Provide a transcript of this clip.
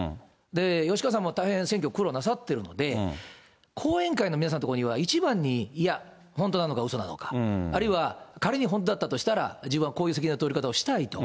吉川さんも大変選挙、苦労なさってるので、後援会の皆さんのところには一番に、いや、本当なのかうそなのか、あるいは仮に本当だったとしたら、自分はこういう責任の取り方をしたいと。